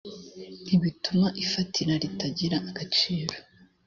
ntibituma ifatira ritagira agaciro